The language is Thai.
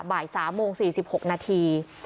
บ่าย๓โมง๔๖นาที